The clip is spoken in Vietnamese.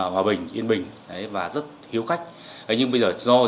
hòa bình yên bình và rất hiếu khách nhưng bây giờ do